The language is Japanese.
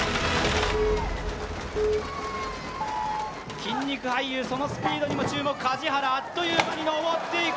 筋肉俳優、そのスピードにも注目、梶原、あっという間に登っていく。